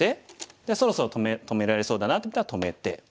じゃあそろそろ止められそうだなと思ったら止めて。